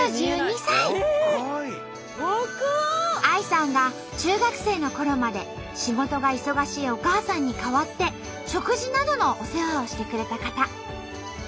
ＡＩさんが中学生のころまで仕事が忙しいお母さんに代わって食事などのお世話をしてくれた方。